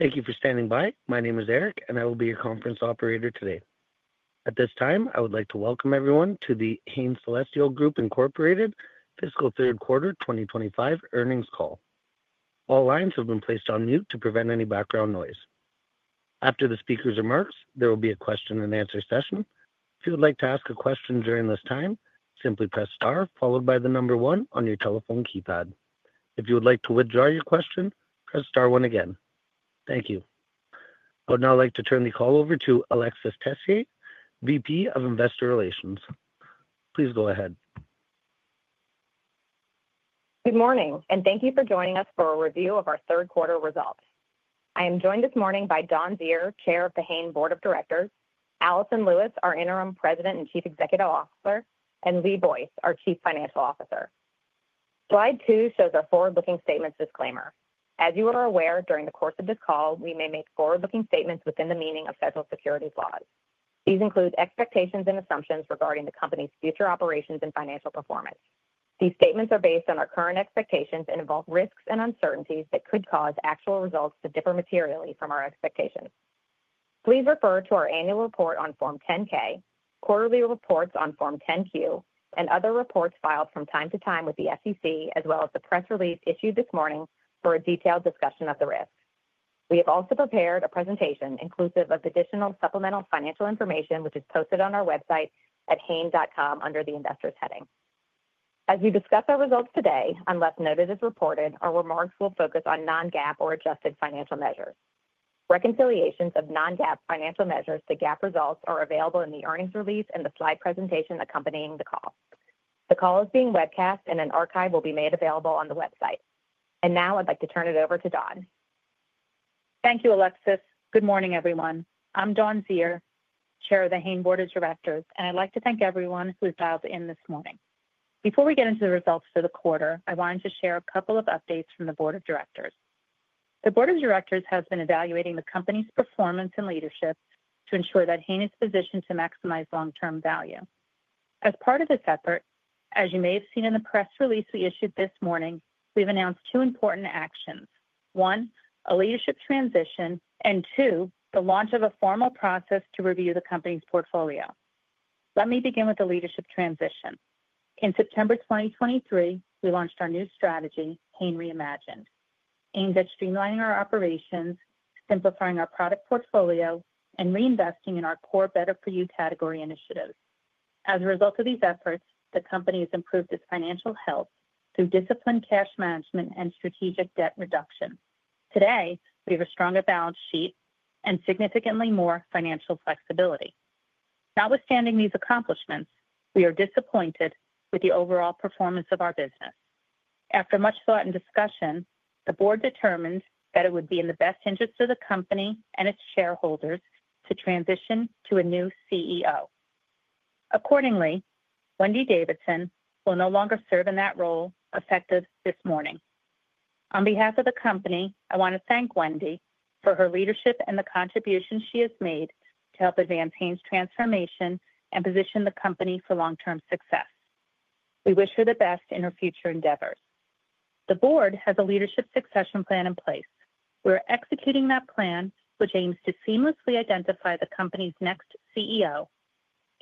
Thank you for standing by. My name is Eric, and I will be your conference operator today. At this time, I would like to welcome everyone to The Hain Celestial Group Fiscal Third Quarter 2025 Earnings Call. All lines have been placed on mute to prevent any background noise. After the speaker's remarks, there will be a question-and-answer session. If you would like to ask a question during this time, simply press star followed by the number one on your telephone keypad. If you would like to withdraw your question, press star one again. Thank you. I would now like to turn the call over to Alexis Tessier, VP of Investor Relations. Please go ahead. Good morning, and thank you for joining us for a review of our third quarter results. I am joined this morning by Dawn Zier, Chair of The Hain Board of Directors, Alison Lewis, our Interim President and Chief Executive Officer, and Lee Boyce, our Chief Financial Officer. Slide two shows our forward-looking statements disclaimer. As you are aware, during the course of this call, we may make forward-looking statements within the meaning of federal securities laws. These include expectations and assumptions regarding the company's future operations and financial performance. These statements are based on our current expectations and involve risks and uncertainties that could cause actual results to differ materially from our expectations. Please refer to our annual report on Form 10-K, quarterly reports on Form 10-Q, and other reports filed from time to time with the SEC, as well as the press release issued this morning for a detailed discussion of the risks. We have also prepared a presentation inclusive of additional supplemental financial information, which is posted on our website at hain.com under the Investors heading. As we discuss our results today, unless noted as reported, our remarks will focus on non-GAAP or adjusted financial measures. Reconciliations of non-GAAP financial measures to GAAP results are available in the earnings release and the slide presentation accompanying the call. The call is being webcast, and an archive will be made available on the website. I would now like to turn it over to Dawn. Thank you, Alexis. Good morning, everyone. I'm Dawn Zier, Chair of The Hain Board of Directors, and I'd like to thank everyone who has dialed in this morning. Before we get into the results for the quarter, I wanted to share a couple of updates from the Board of Directors. The Board of Directors has been evaluating the company's performance and leadership to ensure that Hain is positioned to maximize long-term value. As part of this effort, as you may have seen in the press release we issued this morning, we've announced two important actions: one, a leadership transition; and two, the launch of a formal process to review the company's portfolio. Let me begin with the leadership transition. In September 2023, we launched our new strategy, Hain Reimagined, aimed at streamlining our operations, simplifying our product portfolio, and reinvesting in our core Better for You category initiatives. As a result of these efforts, the company has improved its financial health through disciplined cash management and strategic debt reduction. Today, we have a stronger balance sheet and significantly more financial flexibility. Notwithstanding these accomplishments, we are disappointed with the overall performance of our business. After much thought and discussion, the board determined that it would be in the best interest of the company and its shareholders to transition to a new CEO. Accordingly, Wendy Davidson will no longer serve in that role effective this morning. On behalf of the company, I want to thank Wendy for her leadership and the contribution she has made to help advance Hain's transformation and position the company for long-term success. We wish her the best in her future endeavors. The board has a leadership succession plan in place. We are executing that plan, which aims to seamlessly identify the company's next CEO.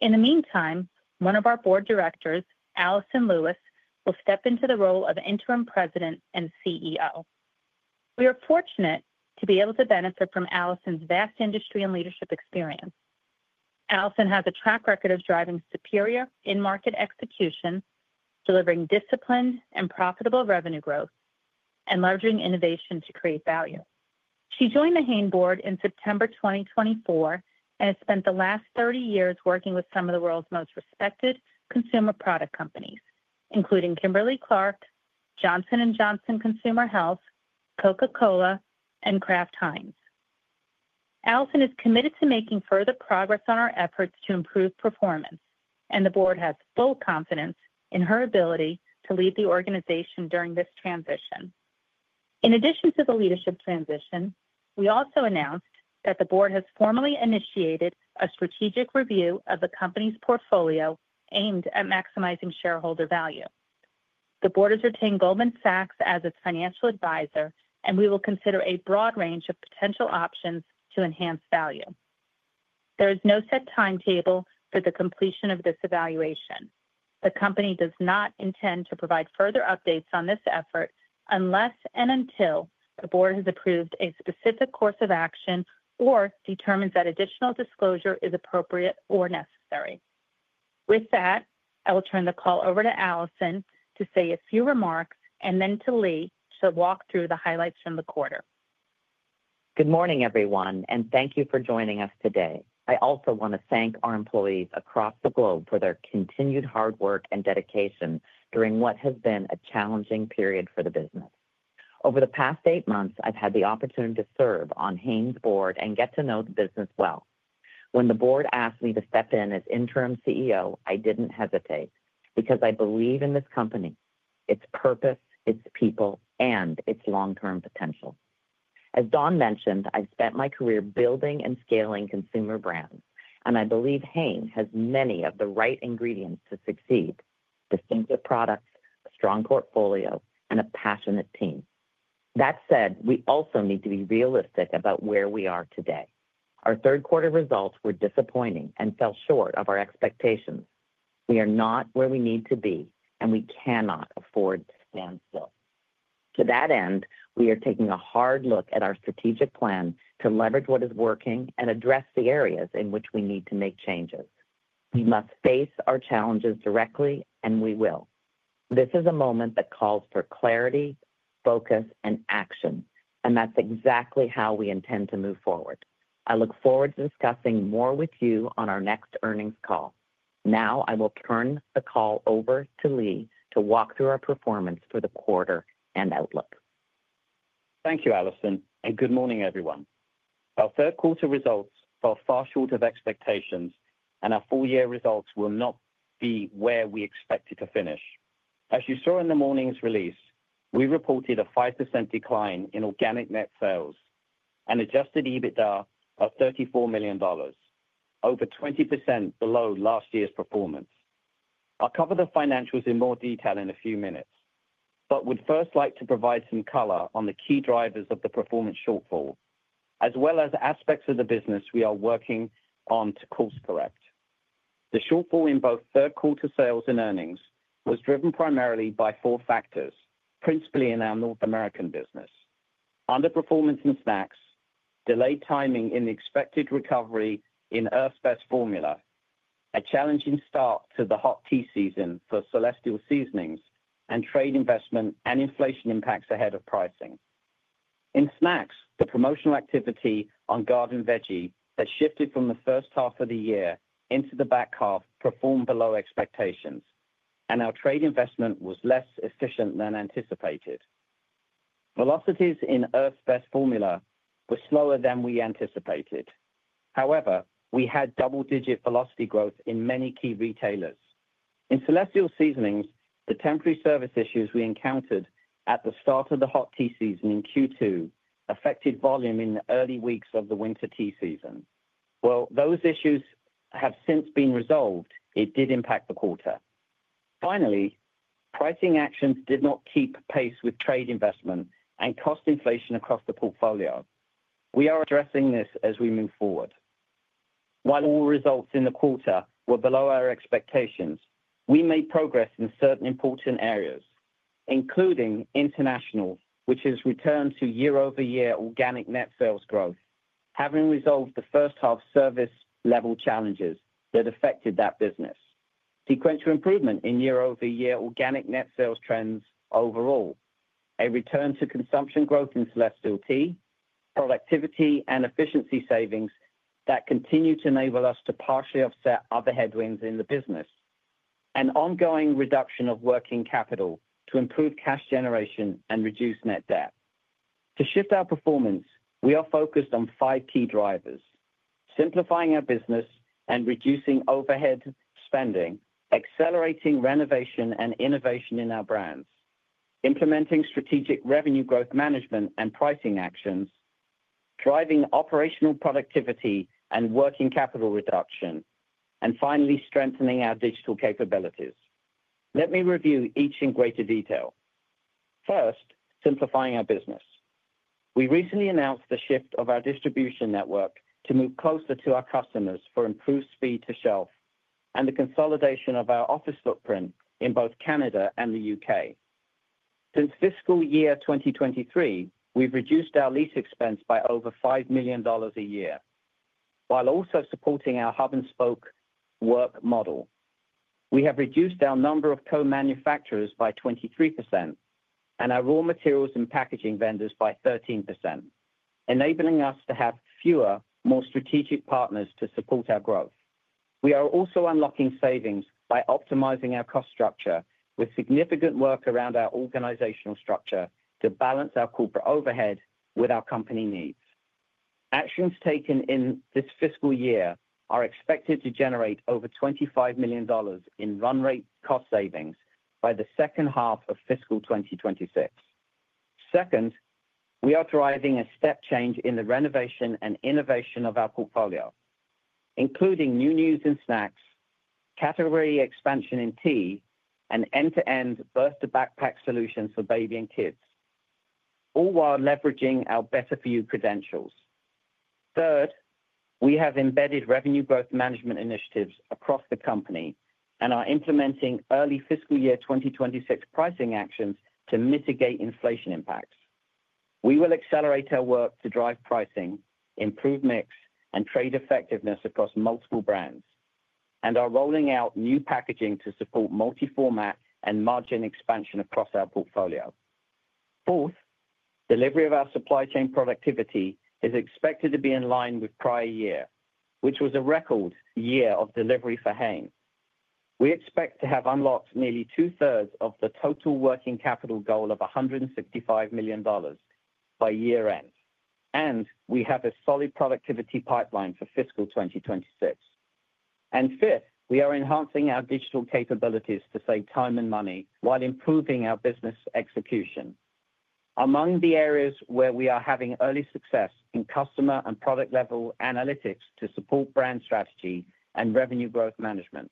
In the meantime, one of our Board Directors, Alison Lewis, will step into the role of Interim President and CEO. We are fortunate to be able to benefit from Alison's vast industry and leadership experience. Alison has a track record of driving superior in-market execution, delivering disciplined and profitable revenue growth, and leveraging innovation to create value. She joined The Hain Board in September 2024 and has spent the last 30 years working with some of the world's most respected consumer product companies, including Kimberly-Clark, Johnson & Johnson Consumer Health, Coca-Cola, and Kraft Heinz. Alison is committed to making further progress on our efforts to improve performance, and the board has full confidence in her ability to lead the organization during this transition. In addition to the leadership transition, we also announced that the board has formally initiated a strategic review of the company's portfolio aimed at maximizing shareholder value. The board has retained Goldman Sachs as its financial advisor, and we will consider a broad range of potential options to enhance value. There is no set timetable for the completion of this evaluation. The company does not intend to provide further updates on this effort unless and until the board has approved a specific course of action or determines that additional disclosure is appropriate or necessary. With that, I will turn the call over to Alison to say a few remarks and then to Lee to walk through the highlights from the quarter. Good morning, everyone, and thank you for joining us today. I also want to thank our employees across the globe for their continued hard work and dedication during what has been a challenging period for the business. Over the past eight months, I've had the opportunity to serve on Hain's board and get to know the business well. When the board asked me to step in as Interim CEO, I didn't hesitate because I believe in this company, its purpose, its people, and its long-term potential. As Dawn mentioned, I've spent my career building and scaling consumer brands, and I believe Hain has many of the right ingredients to succeed: distinctive products, a strong portfolio, and a passionate team. That said, we also need to be realistic about where we are today. Our third quarter results were disappointing and fell short of our expectations. We are not where we need to be, and we cannot afford to stand still. To that end, we are taking a hard look at our strategic plan to leverage what is working and address the areas in which we need to make changes. We must face our challenges directly, and we will. This is a moment that calls for clarity, focus, and action, and that's exactly how we intend to move forward. I look forward to discussing more with you on our next earnings call. Now I will turn the call over to Lee to walk through our performance for the quarter and outlook. Thank you, Alison, and good morning, everyone. Our third quarter results fell far short of expectations, and our full-year results will not be where we expected to finish. As you saw in the morning's release, we reported a 5% decline in organic net sales and adjusted EBITDA of $34 million, over 20% below last year's performance. I'll cover the financials in more detail in a few minutes, but would first like to provide some color on the key drivers of the performance shortfall, as well as aspects of the business we are working on to course-correct. The shortfall in both third quarter sales and earnings was driven primarily by four factors, principally in our North American business: underperformance in snacks, delayed timing in the expected recovery in Earth's Best formula, a challenging start to the hot tea season for Celestial Seasonings, and trade investment and inflation impacts ahead of pricing. In snacks, the promotional activity on Garden Veggie that shifted from the first half of the year into the back half performed below expectations, and our trade investment was less efficient than anticipated. Velocities in Earth's Best formula were slower than we anticipated. However, we had double-digit velocity growth in many key retailers. In Celestial Seasonings, the temporary service issues we encountered at the start of the hot tea season in Q2 affected volume in the early weeks of the winter tea season. While those issues have since been resolved, it did impact the quarter. Finally, pricing actions did not keep pace with trade investment and cost inflation across the portfolio. We are addressing this as we move forward. While all results in the quarter were below our expectations, we made progress in certain important areas, including international, which has returned to year-over-year organic net sales growth, having resolved the first-half service-level challenges that affected that business. Sequential improvement in year-over-year organic net sales trends overall, a return to consumption growth in Celestial tea, productivity and efficiency savings that continue to enable us to partially offset other headwinds in the business, and ongoing reduction of working capital to improve cash generation and reduce net debt. To shift our performance, we are focused on five key drivers: simplifying our business and reducing overhead spending, accelerating renovation and innovation in our brands, implementing strategic revenue growth management and pricing actions, driving operational productivity and working capital reduction, and finally strengthening our digital capabilities. Let me review each in greater detail. First, simplifying our business. We recently announced the shift of our distribution network to move closer to our customers for improved speed to shelf and the consolidation of our office footprint in both Canada and the U.K. Since fiscal year 2023, we've reduced our lease expense by over $5 million a year, while also supporting our hub-and-spoke work model. We have reduced our number of co-manufacturers by 23% and our raw materials and packaging vendors by 13%, enabling us to have fewer, more strategic partners to support our growth. We are also unlocking savings by optimizing our cost structure with significant work around our organizational structure to balance our corporate overhead with our company needs. Actions taken in this fiscal year are expected to generate over $25 million in run-rate cost savings by the second half of fiscal 2026. Second, we are driving a step change in the renovation and innovation of our portfolio, including new news in snacks, category expansion in tea, and end-to-end birth-to-backpack solutions for baby and kids, all while leveraging our better-for-you credentials. Third, we have embedded revenue growth management initiatives across the company and are implementing early fiscal year 2026 pricing actions to mitigate inflation impacts. We will accelerate our work to drive pricing, improve mix, and trade effectiveness across multiple brands, and are rolling out new packaging to support multi-format and margin expansion across our portfolio. Fourth, delivery of our supply chain productivity is expected to be in line with prior year, which was a record year of delivery for Hain. We expect to have unlocked nearly two-thirds of the total working capital goal of $165 million by year-end, and we have a solid productivity pipeline for fiscal 2026. Fifth, we are enhancing our digital capabilities to save time and money while improving our business execution. Among the areas where we are having early success in customer and product-level analytics to support brand strategy and revenue growth management,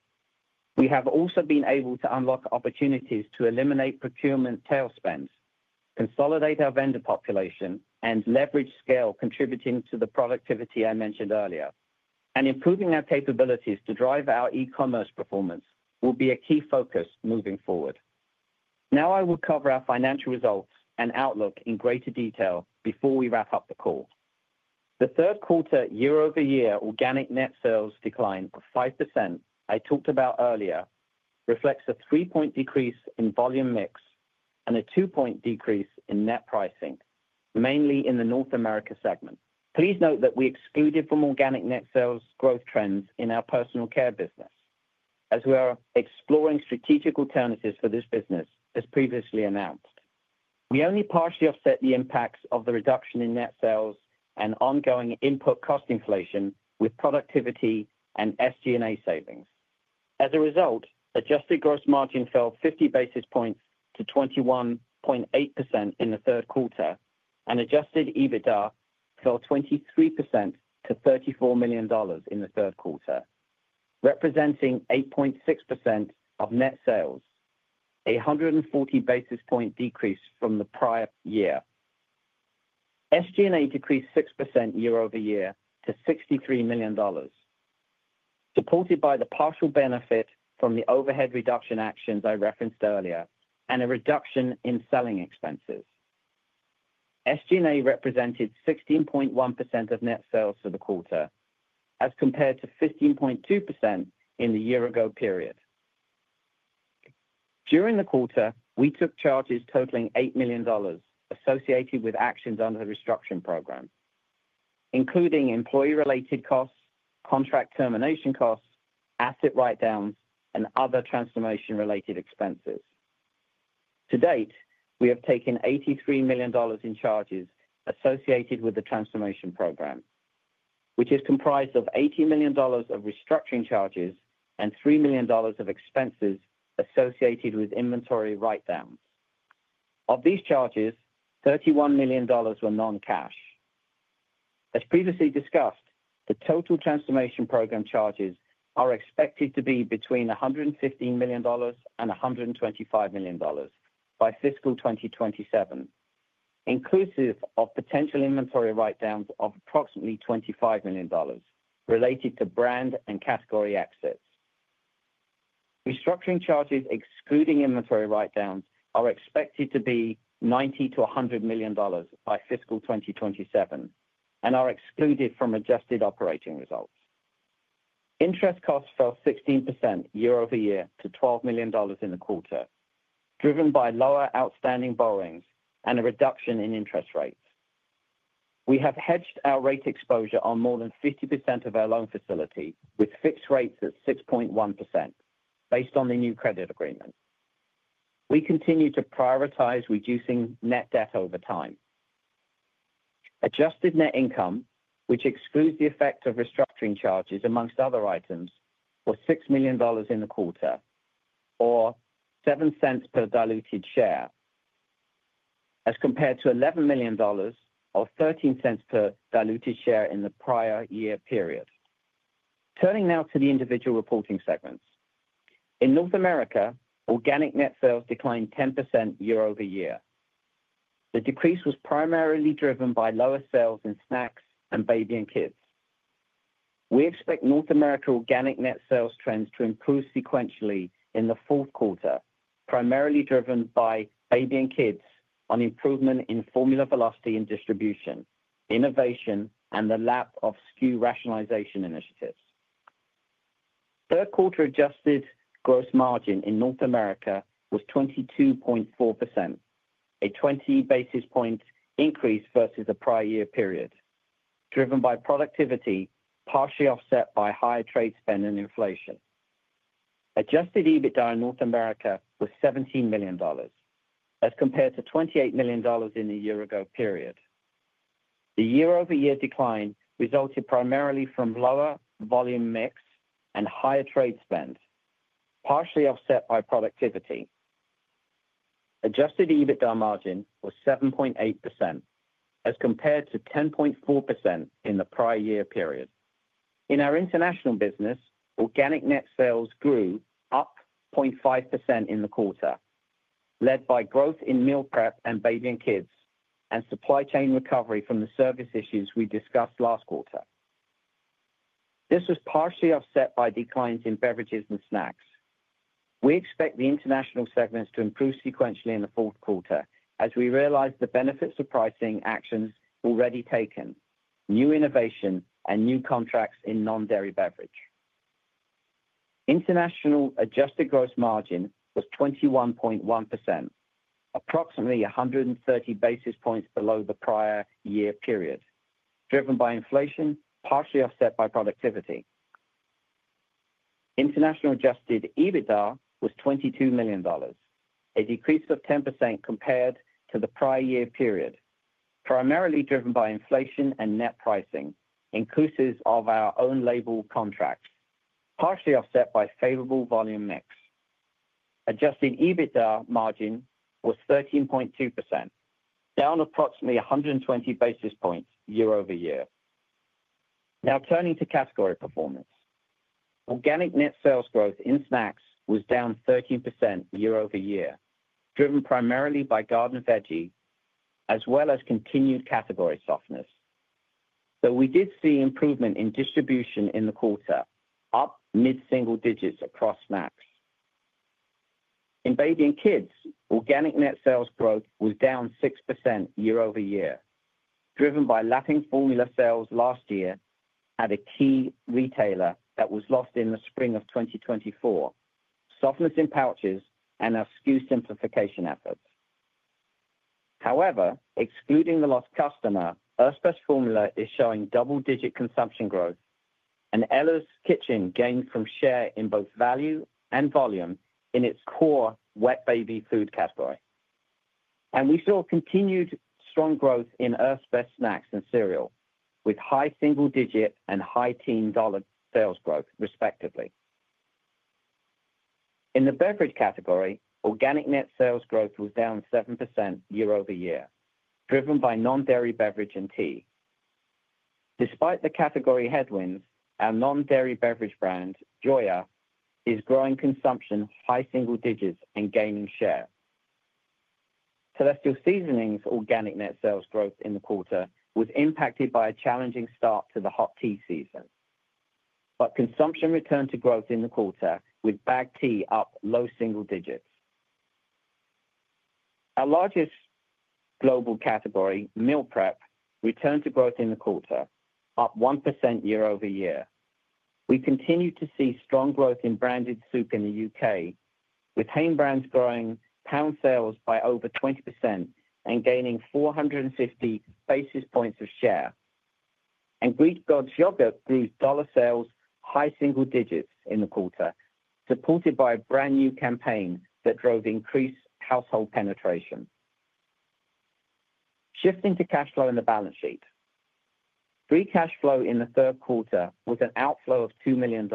we have also been able to unlock opportunities to eliminate procurement tail-spends, consolidate our vendor population, and leverage scale contributing to the productivity I mentioned earlier. Improving our capabilities to drive our e-commerce performance will be a key focus moving forward. Now I will cover our financial results and outlook in greater detail before we wrap up the call. The third quarter year-over-year organic net sales decline of 5% I talked about earlier reflects a three-point decrease in volume mix and a two-point decrease in net pricing, mainly in the North America segment. Please note that we excluded from organic net sales growth trends in our personal care business, as we are exploring strategic alternatives for this business, as previously announced. We only partially offset the impacts of the reduction in net sales and ongoing input cost inflation with productivity and SG&A savings. As a result, adjusted gross margin fell 50 basis points to 21.8% in the third quarter, and adjusted EBITDA fell 23% to $34 million in the third quarter, representing 8.6% of net sales, a 140 basis point decrease from the prior year. SG&A decreased 6% year-over-year to $63 million, supported by the partial benefit from the overhead reduction actions I referenced earlier and a reduction in selling expenses. SG&A represented 16.1% of net sales for the quarter, as compared to 15.2% in the year-ago period. During the quarter, we took charges totaling $8 million associated with actions under the restructuring program, including employee-related costs, contract termination costs, asset write-downs, and other transformation-related expenses. To date, we have taken $83 million in charges associated with the transformation program, which is comprised of $80 million of restructuring charges and $3 million of expenses associated with inventory write-downs. Of these charges, $31 million were non-cash. As previously discussed, the total transformation program charges are expected to be between $115 million and $125 million by fiscal 2027, inclusive of potential inventory write-downs of approximately $25 million related to brand and category exits. Restructuring charges excluding inventory write-downs are expected to be $90 million-$100 million by fiscal 2027 and are excluded from adjusted operating results. Interest costs fell 16% year-over-year to $12 million in the quarter, driven by lower outstanding borrowings and a reduction in interest rates. We have hedged our rate exposure on more than 50% of our loan facility with fixed rates at 6.1% based on the new credit agreement. We continue to prioritize reducing net debt over time. Adjusted net income, which excludes the effect of restructuring charges amongst other items, was $6 million in the quarter, or $0.07 per diluted share, as compared to $11 million or $0.13 per diluted share in the prior year period. Turning now to the individual reporting segments. In North America, organic net sales declined 10% year-over-year. The decrease was primarily driven by lower sales in snacks and baby and kids. We expect North America organic net sales trends to improve sequentially in the fourth quarter, primarily driven by baby and kids on improvement in formula velocity and distribution, innovation, and the lap of SKU rationalization initiatives. Third quarter adjusted gross margin in North America was 22.4%, a 20 basis point increase versus the prior year period, driven by productivity partially offset by higher trade spend and inflation. Adjusted EBITDA in North America was $17 million, as compared to $28 million in the year-ago period. The year-over-year decline resulted primarily from lower volume mix and higher trade spend, partially offset by productivity. Adjusted EBITDA margin was 7.8%, as compared to 10.4% in the prior year period. In our international business, organic net sales grew up 0.5% in the quarter, led by growth in meal prep and baby and kids and supply chain recovery from the service issues we discussed last quarter. This was partially offset by declines in beverages and snacks. We expect the international segments to improve sequentially in the fourth quarter, as we realize the benefits of pricing actions already taken, new innovation, and new contracts in non-dairy beverage. International adjusted gross margin was 21.1%, approximately 130 basis points below the prior year period, driven by inflation, partially offset by productivity. International adjusted EBITDA was $22 million, a decrease of 10% compared to the prior year period, primarily driven by inflation and net pricing, inclusive of our own label contracts, partially offset by favorable volume mix. Adjusted EBITDA margin was 13.2%, down approximately 120 basis points year-over-year. Now turning to category performance. Organic net sales growth in snacks was down 13% year-over-year, driven primarily by Garden Veggie, as well as continued category softness. We did see improvement in distribution in the quarter, up mid-single digits across snacks. In baby and kids, organic net sales growth was down 6% year-over-year, driven by lacking formula sales last year at a key retailer that was lost in the spring of 2024, softness in pouches, and our SKU simplification efforts. However, excluding the lost customer, Earth's Best Formula is showing double-digit consumption growth, and Ella's Kitchen gained from share in both value and volume in its core wet baby food category. We saw continued strong growth in Earth's Best Snacks and Cereal, with high single-digit and high teen dollar sales growth, respectively. In the beverage category, organic net sales growth was down 7% year-over-year, driven by non-dairy beverage and tea. Despite the category headwinds, our non-dairy beverage brand, Joya, is growing consumption high single digits and gaining share. Celestial Seasonings' organic net sales growth in the quarter was impacted by a challenging start to the hot tea season, but consumption returned to growth in the quarter, with bagged tea up low single digits. Our largest global category, meal prep, returned to growth in the quarter, up 1% year-over-year. We continue to see strong growth in branded soup in the U.K., with Hain brands growing pound sales by over 20% and gaining 450 basis points of share. Greek God's Yogurt grew dollar sales high single digits in the quarter, supported by a brand new campaign that drove increased household penetration. Shifting to cash flow and the balance sheet. Free cash flow in the third quarter was an outflow of $2 million,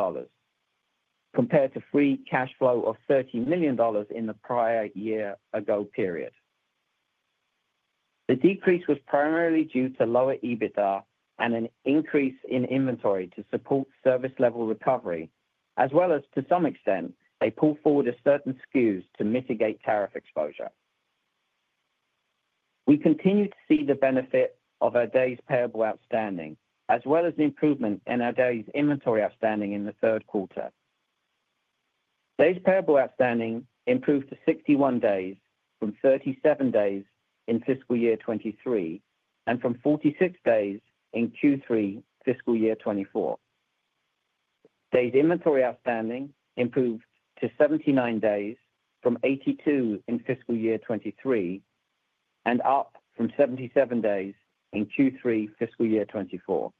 compared to free cash flow of $30 million in the prior year-ago period. The decrease was primarily due to lower EBITDA and an increase in inventory to support service-level recovery, as well as, to some extent, a pull forward of certain SKUs to mitigate tariff exposure. We continue to see the benefit of our day's payable outstanding, as well as the improvement in our day's inventory outstanding in the third quarter. Day's payable outstanding improved to 61 days from 37 days in fiscal year 2023 and from 46 days in Q3 fiscal year 2024. Day's inventory outstanding improved to 79 days from 82 in fiscal year 2023 and up from 77 days in Q3 fiscal year 2024.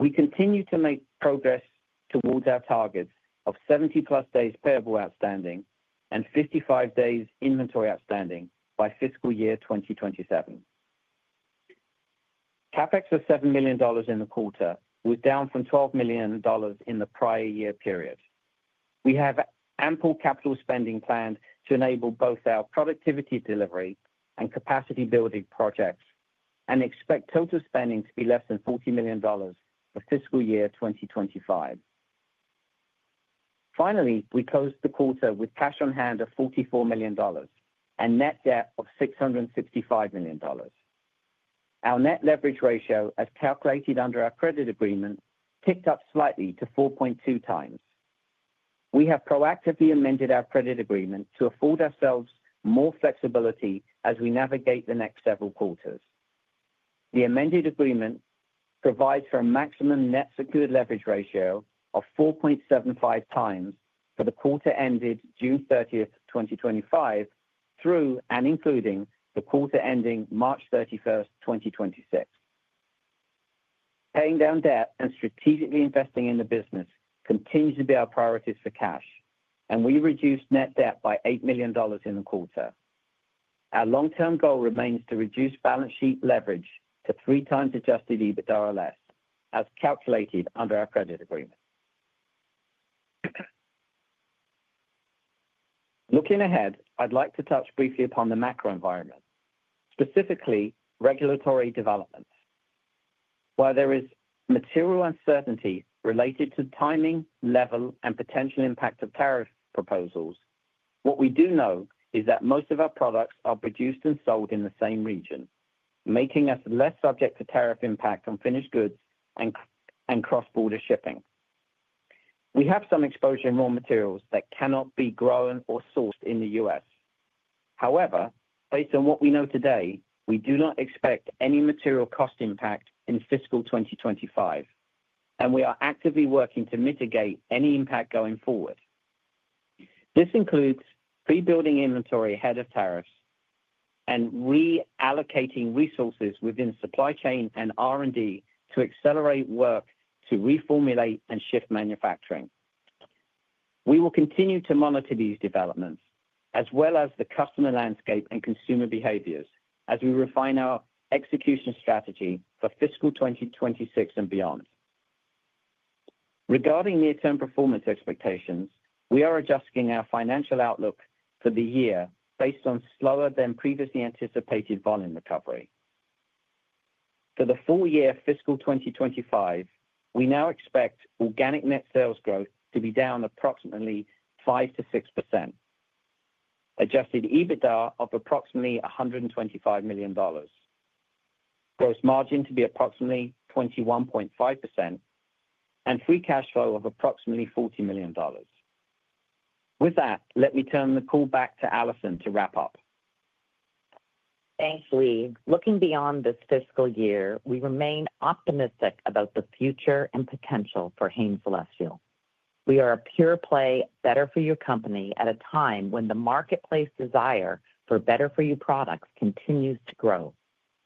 We continue to make progress towards our targets of 70-plus days payable outstanding and 55 days inventory outstanding by fiscal year 2027. CapEx was $7 million in the quarter, was down from $12 million in the prior year period. We have ample capital spending planned to enable both our productivity delivery and capacity-building projects and expect total spending to be less than $40 million for fiscal year 2025. Finally, we closed the quarter with cash on hand of $44 million and net debt of $665 million. Our net leverage ratio, as calculated under our credit agreement, ticked up slightly to 4.2 times. We have proactively amended our credit agreement to afford ourselves more flexibility as we navigate the next several quarters. The amended agreement provides for a maximum net secured leverage ratio of 4.75 times for the quarter ended June 30, 2025, through and including the quarter ending March 31, 2026. Paying down debt and strategically investing in the business continues to be our priorities for cash, and we reduced net debt by $8 million in the quarter. Our long-term goal remains to reduce balance sheet leverage to three times adjusted EBITDA or less, as calculated under our credit agreement. Looking ahead, I'd like to touch briefly upon the macro environment, specifically regulatory developments. While there is material uncertainty related to timing, level, and potential impact of tariff proposals, what we do know is that most of our products are produced and sold in the same region, making us less subject to tariff impact on finished goods and cross-border shipping. We have some exposure in raw materials that cannot be grown or sourced in the U.S. However, based on what we know today, we do not expect any material cost impact in fiscal 2025, and we are actively working to mitigate any impact going forward. This includes pre-building inventory ahead of tariffs and reallocating resources within supply chain and R&D to accelerate work to reformulate and shift manufacturing. We will continue to monitor these developments, as well as the customer landscape and consumer behaviors, as we refine our execution strategy for fiscal 2026 and beyond. Regarding near-term performance expectations, we are adjusting our financial outlook for the year based on slower than previously anticipated volume recovery. For the full year fiscal 2025, we now expect organic net sales growth to be down approximately 5%-6%, adjusted EBITDA of approximately $125 million, gross margin to be approximately 21.5%, and free cash flow of approximately $40 million. With that, let me turn the call back to Alison to wrap up. Thanks, Lee. Looking beyond this fiscal year, we remain optimistic about the future and potential for Hain Celestial. We are a pure play better-for-you company at a time when the marketplace desire for better-for-you products continues to grow.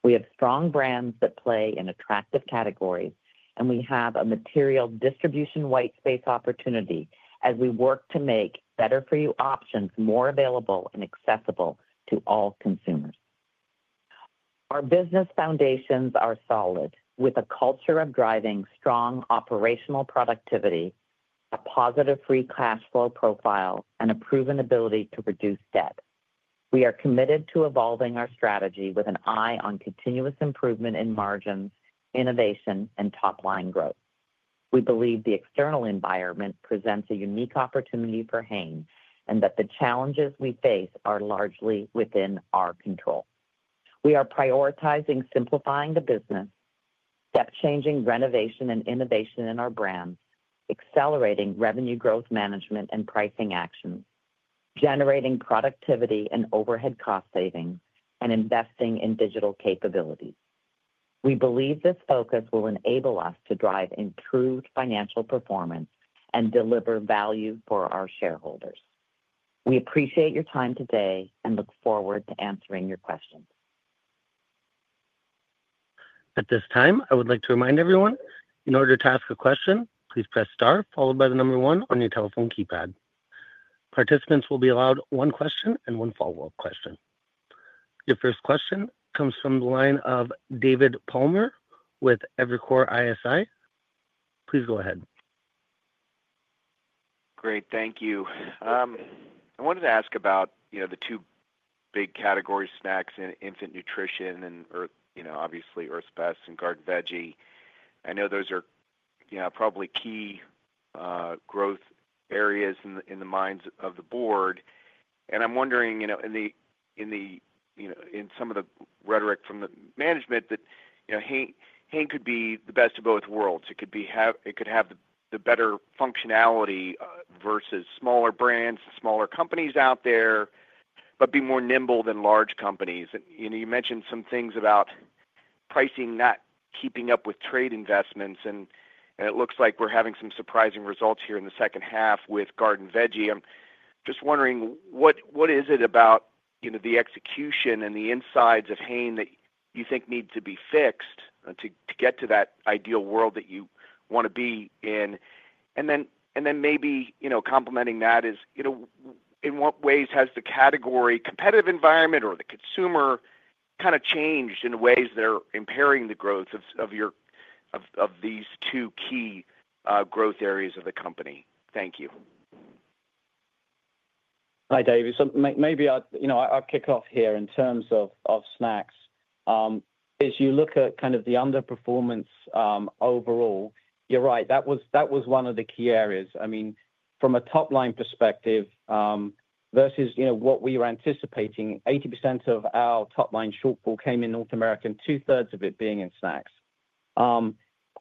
We have strong brands that play in attractive categories, and we have a material distribution white space opportunity as we work to make better-for-you options more available and accessible to all consumers. Our business foundations are solid, with a culture of driving strong operational productivity, a positive free cash flow profile, and a proven ability to reduce debt. We are committed to evolving our strategy with an eye on continuous improvement in margins, innovation, and top-line growth. We believe the external environment presents a unique opportunity for Hain and that the challenges we face are largely within our control. We are prioritizing simplifying the business, step-changing renovation and innovation in our brands, accelerating revenue growth management and pricing actions, generating productivity and overhead cost savings, and investing in digital capabilities. We believe this focus will enable us to drive improved financial performance and deliver value for our shareholders. We appreciate your time today and look forward to answering your questions. At this time, I would like to remind everyone, in order to ask a question, please press star, followed by the number one on your telephone keypad. Participants will be allowed one question and one follow-up question. Your first question comes from the line of David Palmer with Evercore ISI. Please go ahead. Great. Thank you. I wanted to ask about the two big categories: snacks and infant nutrition, and obviously Earth's Best and Garden Veggie. I know those are probably key growth areas in the minds of the board. I am wondering, in some of the rhetoric from the management, that Hain could be the best of both worlds. It could have the better functionality versus smaller brands and smaller companies out there, but be more nimble than large companies. You mentioned some things about pricing not keeping up with trade investments, and it looks like we're having some surprising results here in the second half with Garden Veggie. I'm just wondering, what is it about the execution and the insides of Hain that you think need to be fixed to get to that ideal world that you want to be in? Maybe complementing that is, in what ways has the category competitive environment or the consumer kind of changed in ways that are impairing the growth of these two key growth areas of the company? Thank you. Hi, David. Maybe I'll kick off here in terms of snacks. As you look at kind of the underperformance overall, you're right. That was one of the key areas. I mean, from a top-line perspective versus what we were anticipating, 80% of our top-line shortfall came in North America, and two-thirds of it being in snacks.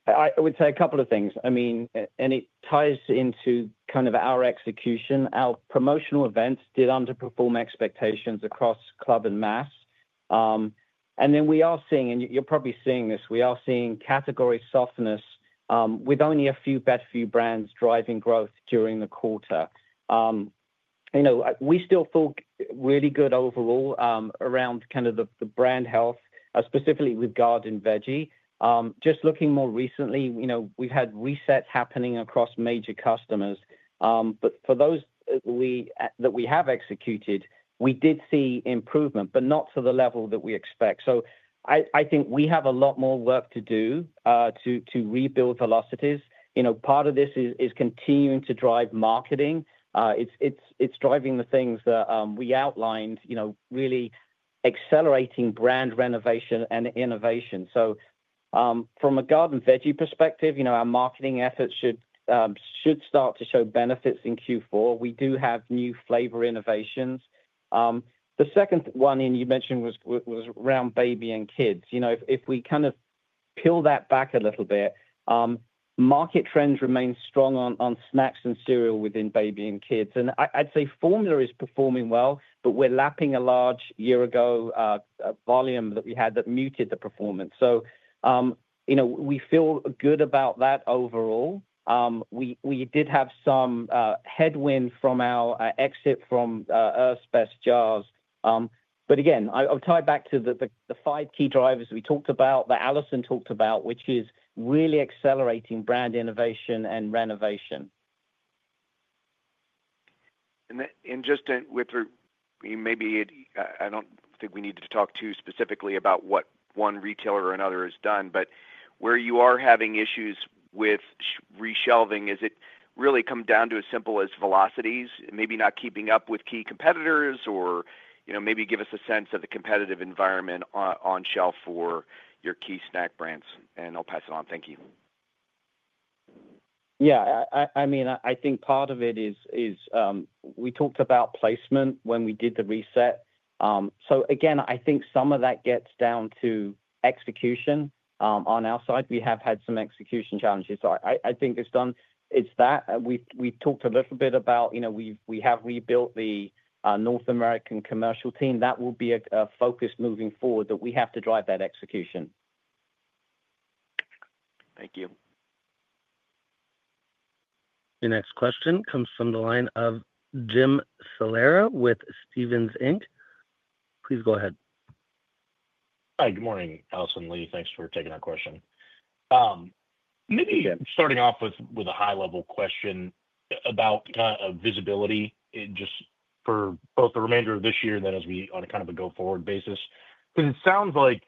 I would say a couple of things. I mean, and it ties into kind of our execution. Our promotional events did underperform expectations across club and mass. We are seeing, and you're probably seeing this, we are seeing category softness with only a few better-for-you brands driving growth during the quarter. We still feel really good overall around kind of the brand health, specifically with Garden Veggie. Just looking more recently, we've had resets happening across major customers. For those that we have executed, we did see improvement, but not to the level that we expect. I think we have a lot more work to do to rebuild velocities. Part of this is continuing to drive marketing. It's driving the things that we outlined, really accelerating brand renovation and innovation. From a Garden Veggie perspective, our marketing efforts should start to show benefits in Q4. We do have new flavor innovations. The second one you mentioned was around baby and kids. If we kind of peel that back a little bit, market trends remain strong on snacks and cereal within baby and kids. I'd say formula is performing well, but we're lapping a large year-ago volume that we had that muted the performance. We feel good about that overall. We did have some headwind from our exit from Earth's Best jars. Again, I'll tie back to the five key drivers we talked about, that Alison talked about, which is really accelerating brand innovation and renovation. Just with maybe I do not think we need to talk too specifically about what one retailer or another has done, but where you are having issues with reshelving, has it really come down to as simple as velocities, maybe not keeping up with key competitors, or maybe give us a sense of the competitive environment on shelf for your key snack brands? I will pass it on. Thank you. Yeah. I mean, I think part of it is we talked about placement when we did the reset. Again, I think some of that gets down to execution. On our side, we have had some execution challenges. I think it is done. It is that. We talked a little bit about we have rebuilt the North American commercial team. That will be a focus moving forward that we have to drive that execution. Thank you. The next question comes from the line of Jim Salera with Stephens Inc. Please go ahead. Hi. Good morning, Alison Lewis. Thanks for taking our question. Maybe starting off with a high-level question about kind of visibility just for both the remainder of this year and then as we on a kind of a go-forward basis. Because it sounds like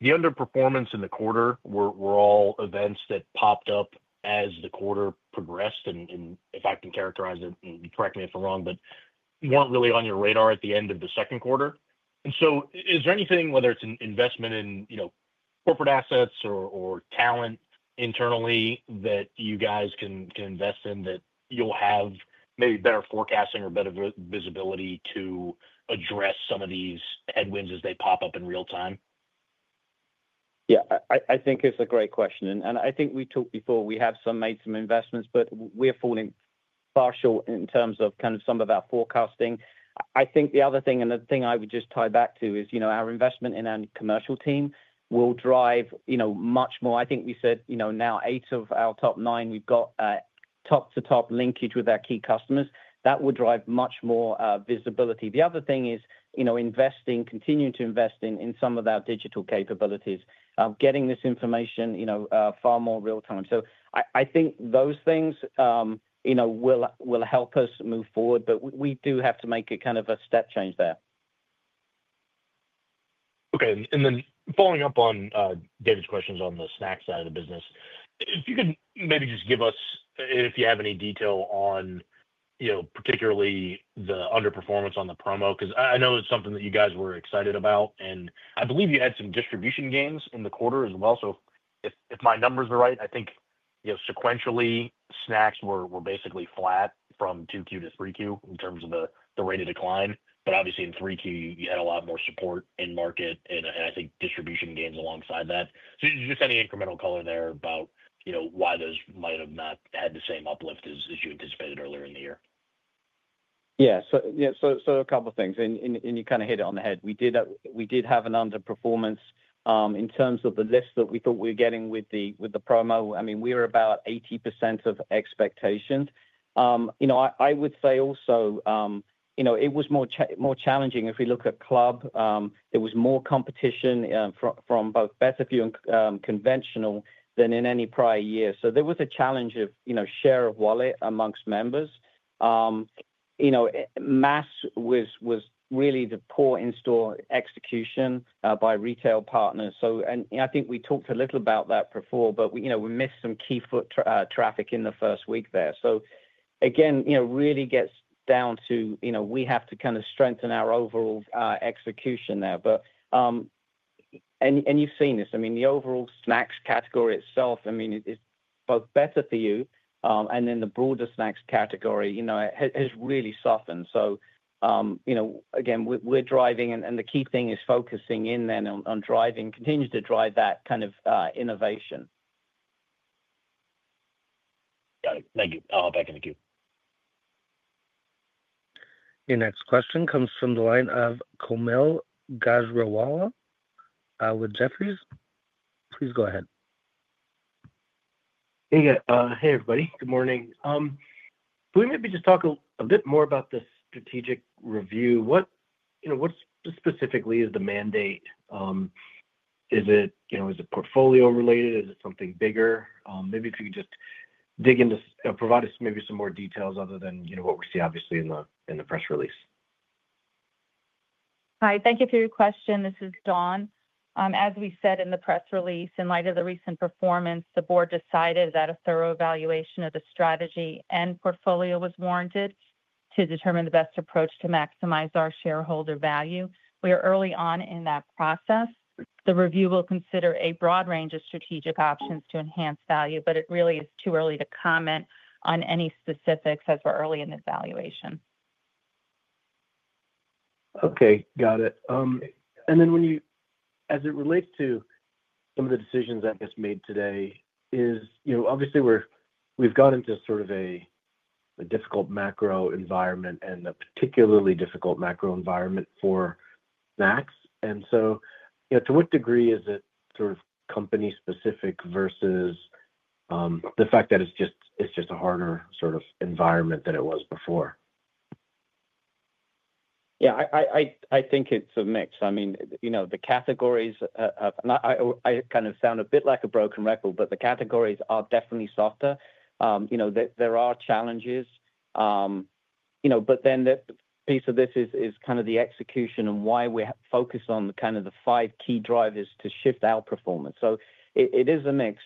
the underperformance in the quarter were all events that popped up as the quarter progressed. If I can characterize it, and correct me if I'm wrong, but were not really on your radar at the end of the second quarter. Is there anything, whether it is an investment in corporate assets or talent internally, that you can invest in so that you will have maybe better forecasting or better visibility to address some of these headwinds as they pop up in real time? Yeah. I think it is a great question. I think we talked before. We have made some investments, but we're falling partial in terms of kind of some of our forecasting. I think the other thing, and the thing I would just tie back to, is our investment in our commercial team will drive much more. I think we said now eight of our top nine, we've got top-to-top linkage with our key customers. That will drive much more visibility. The other thing is investing, continuing to invest in some of our digital capabilities, getting this information far more real-time. I think those things will help us move forward, but we do have to make a kind of a step change there. Okay. Then following up on David's questions on the snacks side of the business, if you could maybe just give us, if you have any detail on particularly the underperformance on the promo, because I know it's something that you guys were excited about, and I believe you had some distribution gains in the quarter as well. If my numbers are right, I think sequentially snacks were basically flat from 2Q to 3Q in terms of the rate of decline. Obviously in 3Q, you had a lot more support in market, and I think distribution gains alongside that. Just any incremental color there about why those might have not had the same uplift as you anticipated earlier in the year? Yeah. A couple of things. You kind of hit it on the head. We did have an underperformance in terms of the list that we thought we were getting with the promo. I mean, we were about 80% of expectations. I would say also it was more challenging. If we look at club, there was more competition from both better-for-you and conventional than in any prior year. There was a challenge of share of wallet amongst members. Mass was really the poor in-store execution by retail partners. I think we talked a little about that before, but we missed some key foot traffic in the first week there. Again, it really gets down to we have to kind of strengthen our overall execution there. You have seen this. I mean, the overall snacks category itself, I mean, is both better-for-you and then the broader snacks category has really softened. Again, we're driving, and the key thing is focusing in then on driving, continues to drive that kind of innovation. Got it. Thank you. I'll back into Q. The next question comes from the line of Kaumil Gajrawala with Jefferies. Please go ahead. Hey, everybody. Good morning. Can we maybe just talk a bit more about the strategic review? What specifically is the mandate? Is it portfolio-related? Is it something bigger? Maybe if you could just dig into provide us maybe some more details other than what we see obviously in the press release. Hi. Thank you for your question. This is Dawn. As we said in the press release, in light of the recent performance, the board decided that a thorough evaluation of the strategy and portfolio was warranted to determine the best approach to maximize our shareholder value. We are early on in that process. The review will consider a broad range of strategic options to enhance value, but it really is too early to comment on any specifics as we're early in the evaluation. Okay. Got it. As it relates to some of the decisions that have been made today, obviously we've gotten into sort of a difficult macro environment and a particularly difficult macro environment for snacks. To what degree is it sort of company-specific versus the fact that it's just a harder sort of environment than it was before? Yeah. I think it's a mix. I mean, the categories—I kind of sound a bit like a broken record—but the categories are definitely softer. There are challenges. Then the piece of this is kind of the execution and why we focus on kind of the five key drivers to shift our performance. It is a mix.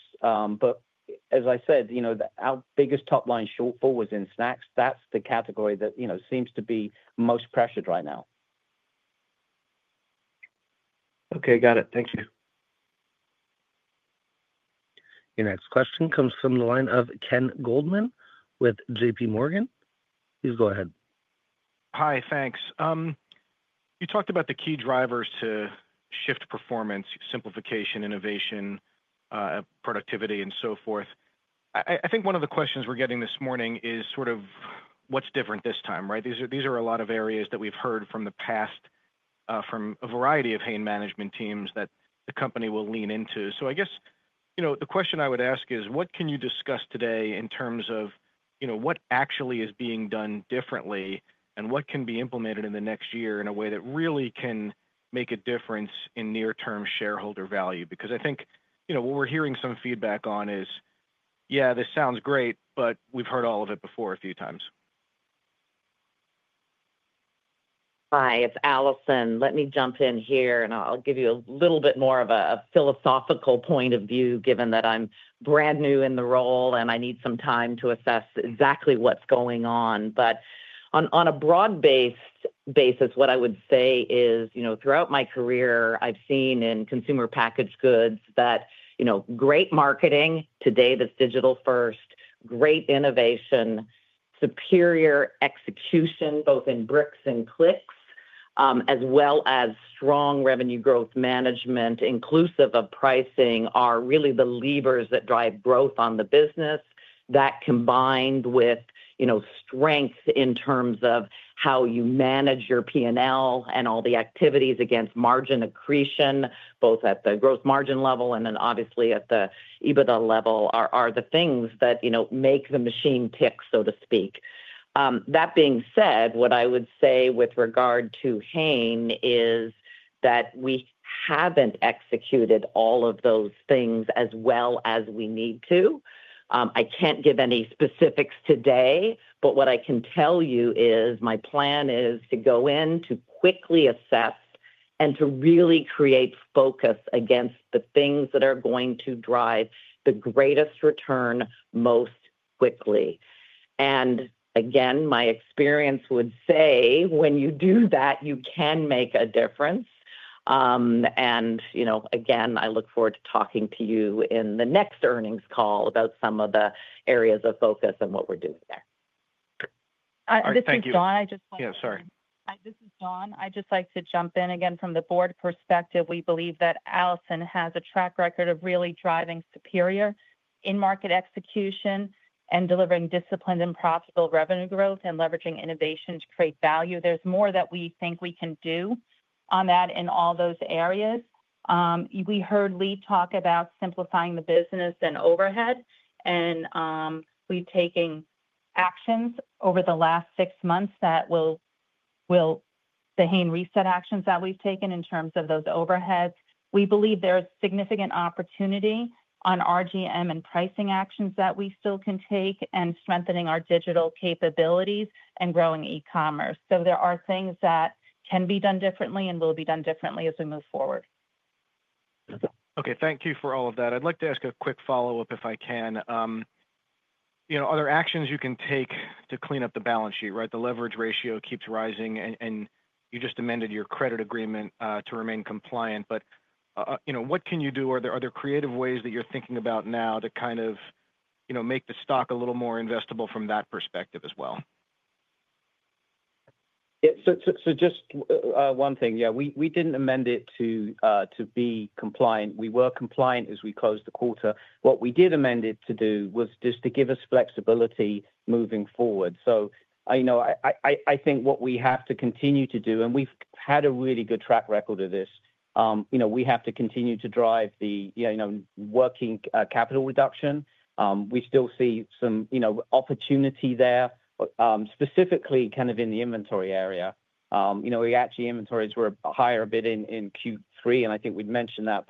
As I said, our biggest top-line shortfall was in snacks. That's the category that seems to be most pressured right now. Okay. Got it. Thank you. The next question comes from the line of Ken Goldman with JPMorgan. Please go ahead. Hi. Thanks. You talked about the key drivers to shift performance, simplification, innovation, productivity, and so forth. I think one of the questions we're getting this morning is sort of what's different this time, right? These are a lot of areas that we've heard from the past from a variety of Hain management teams that the company will lean into. I guess the question I would ask is, what can you discuss today in terms of what actually is being done differently and what can be implemented in the next year in a way that really can make a difference in near-term shareholder value? Because I think what we're hearing some feedback on is, "Yeah, this sounds great, but we've heard all of it before a few times." Hi. It's Alison. Let me jump in here, and I'll give you a little bit more of a philosophical point of view given that I'm brand new in the role and I need some time to assess exactly what's going on. On a broad-based basis, what I would say is throughout my career, I've seen in consumer packaged goods that great marketing—today, that's digital-first—great innovation, superior execution both in bricks and clicks, as well as strong revenue growth management inclusive of pricing are really the levers that drive growth on the business. That combined with strength in terms of how you manage your P&L and all the activities against margin accretion, both at the gross margin level and then obviously at the EBITDA level, are the things that make the machine tick, so to speak. That being said, what I would say with regard to Hain is that we have not executed all of those things as well as we need to. I cannot give any specifics today, but what I can tell you is my plan is to go in to quickly assess and to really create focus against the things that are going to drive the greatest return most quickly. Again, my experience would say when you do that, you can make a difference. Again, I look forward to talking to you in the next earnings call about some of the areas of focus and what we are doing there. This is Dawn. I just want to— yeah, sorry. This is Dawn. I just like to jump in. Again, from the board perspective, we believe that Alison has a track record of really driving superior in-market execution and delivering disciplined and profitable revenue growth and leveraging innovation to create value. There is more that we think we can do on that in all those areas. We heard Lee talk about simplifying the business and overhead, and we have taken actions over the last six months that will be the Hain reset actions that we have taken in terms of those overheads. We believe there is significant opportunity on RGM and pricing actions that we still can take and strengthening our digital capabilities and growing e-commerce. There are things that can be done differently and will be done differently as we move forward. Okay. Thank you for all of that. I'd like to ask a quick follow-up if I can. Are there actions you can take to clean up the balance sheet, right? The leverage ratio keeps rising, and you just amended your credit agreement to remain compliant. What can you do? Are there creative ways that you're thinking about now to kind of make the stock a little more investable from that perspective as well? Yeah. Just one thing. We didn't amend it to be compliant. We were compliant as we closed the quarter. What we did amend it to do was just to give us flexibility moving forward. I think what we have to continue to do, and we've had a really good track record of this, we have to continue to drive the working capital reduction. We still see some opportunity there, specifically kind of in the inventory area. We actually inventories were higher a bit in Q3, and I think we'd mentioned that.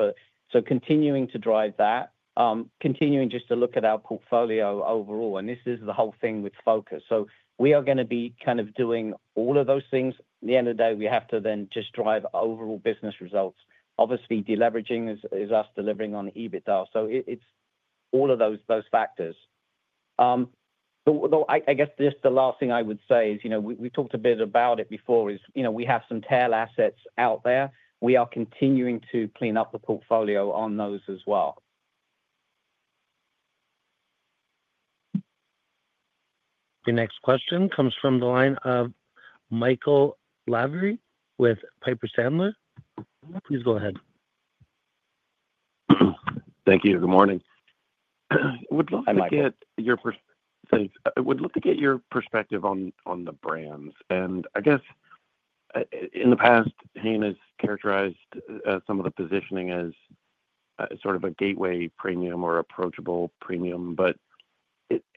Continuing to drive that, continuing just to look at our portfolio overall. This is the whole thing with focus. We are going to be kind of doing all of those things. At the end of the day, we have to then just drive overall business results. Obviously, deleveraging is us delivering on EBITDA. It is all of those factors. I guess just the last thing I would say is we've talked a bit about it before is we have some tail assets out there. We are continuing to clean up the portfolio on those as well. The next question comes from the line of Michael Lavery with Piper Sandler. Please go ahead. Thank you. Good morning. I'd love to get your perspective on the brands. I guess in the past, Hain has characterized some of the positioning as sort of a gateway premium or approachable premium, but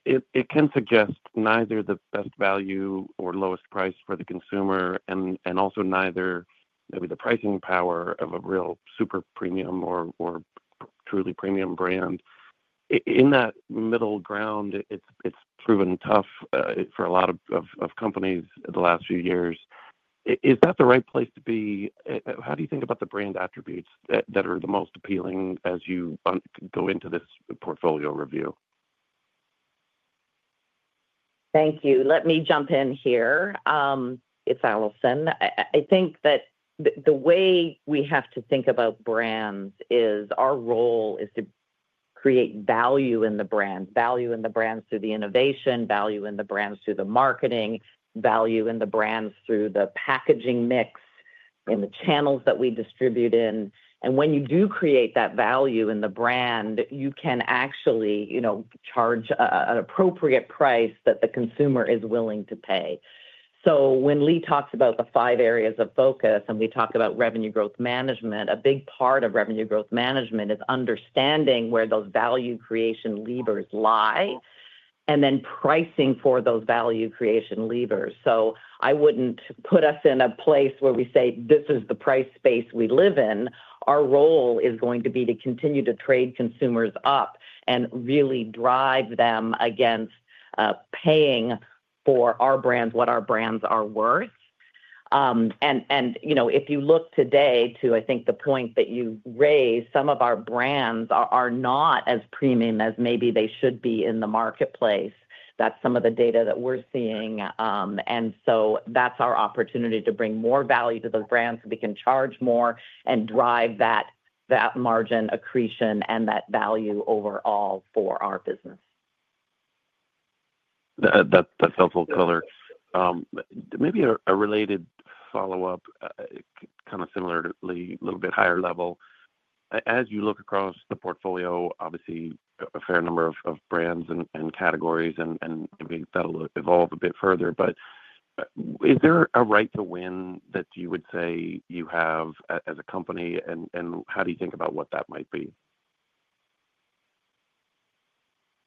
it can suggest neither the best value or lowest price for the consumer and also neither maybe the pricing power of a real super premium or truly premium brand. In that middle ground, it's proven tough for a lot of companies in the last few years. Is that the right place to be? How do you think about the brand attributes that are the most appealing as you go into this portfolio review? Thank you. Let me jump in here. It's Alison. I think that the way we have to think about brands is our role is to create value in the brands, value in the brands through the innovation, value in the brands through the marketing, value in the brands through the packaging mix and the channels that we distribute in. When you do create that value in the brand, you can actually charge an appropriate price that the consumer is willing to pay. When Lee talks about the five areas of focus and we talk about revenue growth management, a big part of revenue growth management is understanding where those value creation levers lie and then pricing for those value creation levers. I would not put us in a place where we say, "This is the price space we live in." Our role is going to be to continue to trade consumers up and really drive them against paying for our brands, what our brands are worth. If you look today to, I think, the point that you raised, some of our brands are not as premium as maybe they should be in the marketplace. That is some of the data that we are seeing. That is our opportunity to bring more value to those brands so we can charge more and drive that margin accretion and that value overall for our business. That is helpful fillers. Maybe a related follow-up, kind of similarly, a little bit higher level. As you look across the portfolio, obviously, a fair number of brands and categories, and that will evolve a bit further. Is there a right-to-win that you would say you have as a company, and how do you think about what that might be?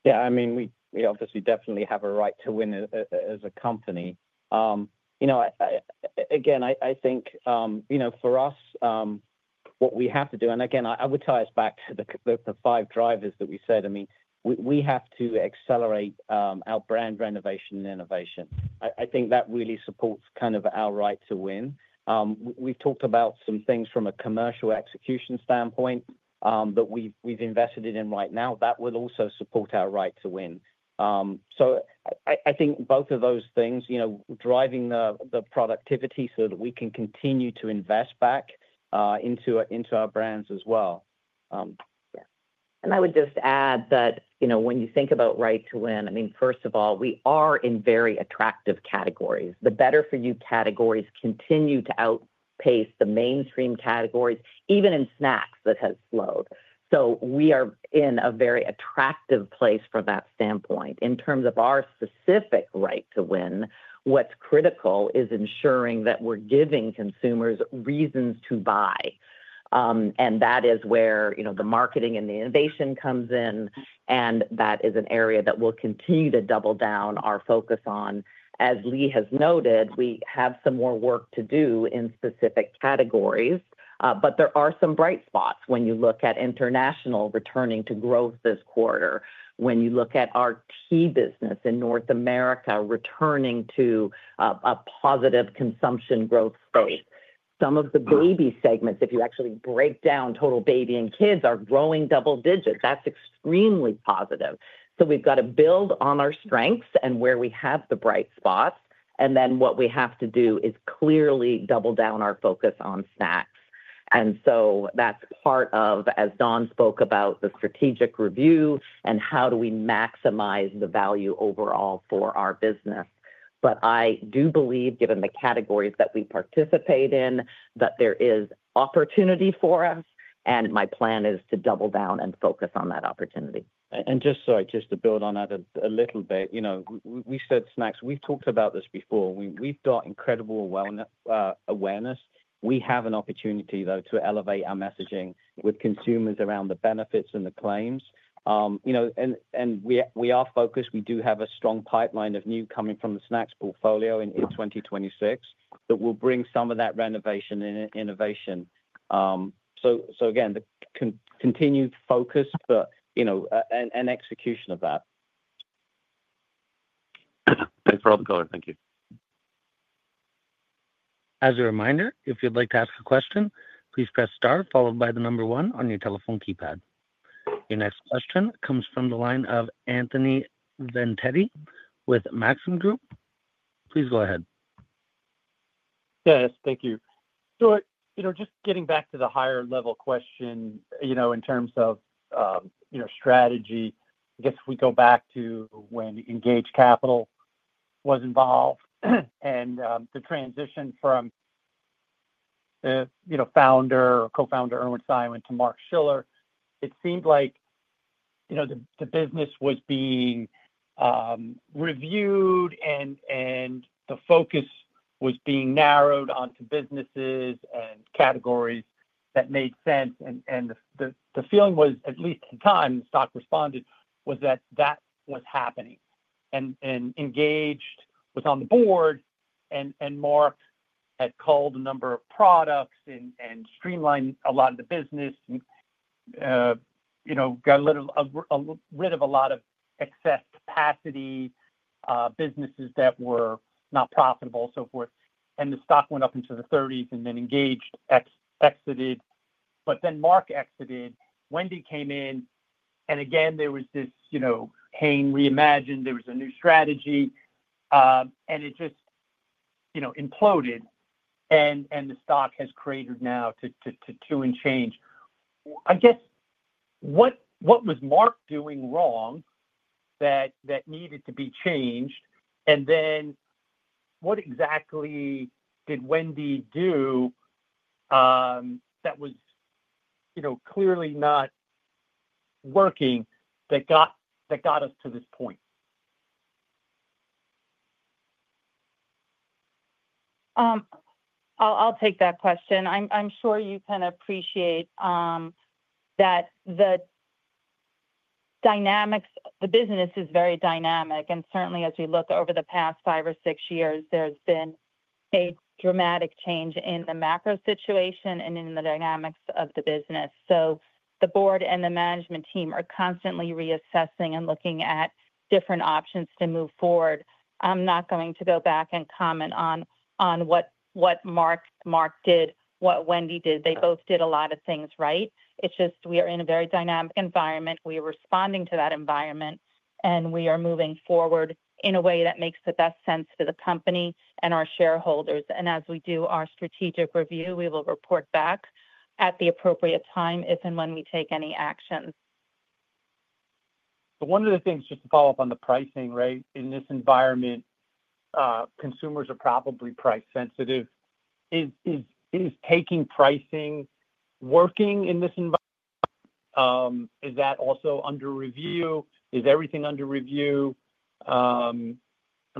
Yeah. I mean, we obviously definitely have a right-to-win as a company. Again, I think for us, what we have to do—and again, I would tie us back to the five drivers that we said—I mean, we have to accelerate our brand renovation and innovation. I think that really supports kind of our right-to-win. We've talked about some things from a commercial execution standpoint that we've invested in right now. That would also support our right-to-win. I think both of those things, driving the productivity so that we can continue to invest back into our brands as well. I would just add that when you think about right-to-win, I mean, first of all, we are in very attractive categories. The better-for-you categories continue to outpace the mainstream categories, even in snacks that have slowed. We are in a very attractive place from that standpoint. In terms of our specific right-to-win, what's critical is ensuring that we're giving consumers reasons to buy. That is where the marketing and the innovation comes in. That is an area that we'll continue to double down our focus on. As Lee has noted, we have some more work to do in specific categories. There are some bright spots when you look at international returning to growth this quarter. When you look at our key business in North America returning to a positive consumption growth space. Some of the baby segments, if you actually break down total baby and kids, are growing double digits. That's extremely positive. We have to build on our strengths and where we have the bright spots. Then what we have to do is clearly double down our focus on snacks. That is part of, as Dawn spoke about, the strategic review and how do we maximize the value overall for our business. I do believe, given the categories that we participate in, that there is opportunity for us. My plan is to double down and focus on that opportunity. Just to build on that a little bit, we said snacks. We have talked about this before. We have incredible awareness. We have an opportunity, though, to elevate our messaging with consumers around the benefits and the claims. We are focused. We do have a strong pipeline of new coming from the snacks portfolio in 2026 that will bring some of that renovation and innovation. Again, the continued focus and execution of that. Thanks for all the color. Thank you. As a reminder, if you'd like to ask a question, please press star followed by the number one on your telephone keypad. Your next question comes from the line of Anthony Vendetti with Maxim Group. Please go ahead. Yes. Thank you. Just getting back to the higher-level question in terms of strategy, I guess we go back to when Engage Capital was involved and the transition from co-founder Irwin Simon to Mark Schiller. It seemed like the business was being reviewed and the focus was being narrowed onto businesses and categories that made sense. The feeling was, at least at the time, the stock responded was that that was happening. Engage was on the board and Mark had called a number of products and streamlined a lot of the business, got rid of a lot of excess capacity, businesses that were not profitable, so forth. The stock went up into the $30s and then Engage exited. Mark exited. Wendy came in. There was this Hain reimagined. There was a new strategy. It just imploded. The stock has cratered now to and change. I guess what was Mark doing wrong that needed to be changed? What exactly did Wendy do that was clearly not working that got us to this point? I'll take that question. I'm sure you can appreciate that the dynamics, the business is very dynamic. Certainly, as we look over the past five or six years, there has been a dramatic change in the macro situation and in the dynamics of the business. The board and the management team are constantly reassessing and looking at different options to move forward. I'm not going to go back and comment on what Mark did, what Wendy did. They both did a lot of things right. It's just we are in a very dynamic environment. We are responding to that environment, and we are moving forward in a way that makes the best sense for the company and our shareholders. As we do our strategic review, we will report back at the appropriate time if and when we take any actions. One of the things, just to follow up on the pricing, right? In this environment, consumers are probably price-sensitive. Is taking pricing working in this environment? Is that also under review? Is everything under review? I'm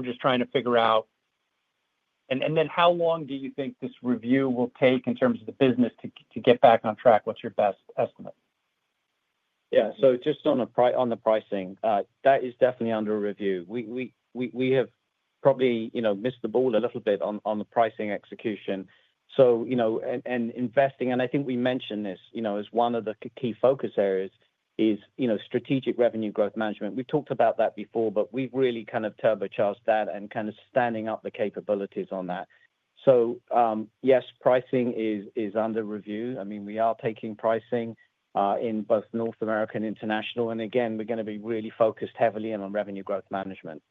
just trying to figure out. And then how long do you think this review will take in terms of the business to get back on track? What's your best estimate? Yeah. So just on the pricing, that is definitely under review. We have probably missed the ball a little bit on the pricing execution. And investing, and I think we mentioned this as one of the key focus areas, is strategic revenue growth management. We've talked about that before, but we've really kind of turbocharged that and kind of standing up the capabilities on that. So yes, pricing is under review. I mean, we are taking pricing in both North America and international. And again, we're going to be really focused heavily on revenue growth management.